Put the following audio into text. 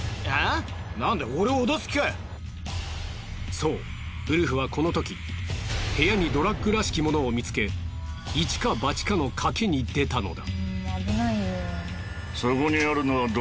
そうウルフはこのとき部屋にドラッグらしき物を見つけ一か八かの賭けに出たのだ。